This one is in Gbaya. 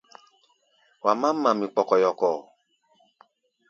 Wa mám mamí kpɔkɔyɔkɔ.